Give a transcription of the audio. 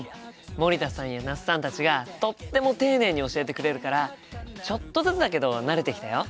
森田さんや那須さんたちがとっても丁寧に教えてくれるからちょっとずつだけど慣れてきたよ。